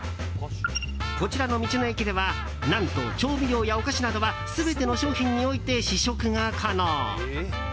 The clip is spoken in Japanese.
こちらの道の駅では何と調味料やお菓子などは全ての商品において試食が可能。